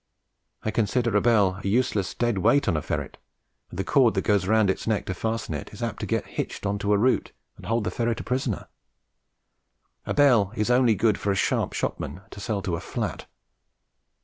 I consider a bell a useless dead weight on a ferret, and the cord that goes round its neck to fasten it is apt to get hitched on to a root and hold the ferret a prisoner. A bell is only good for a sharp shopman to sell to a flat.